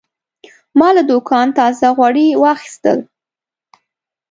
ما له دوکانه تازه غوړي واخیستل.